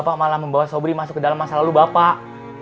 pak malah membawa sobri masuk ke dalam masa lalu bapak